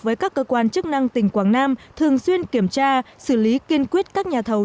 với các cơ quan chức năng tỉnh quảng nam thường xuyên kiểm tra xử lý kiên quyết các nhà thầu